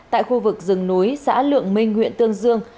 tại khu vực rừng núi xã lượng minh huyện tương dương